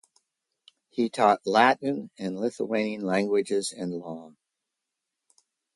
He taught Latin and Lithuanian languages and law.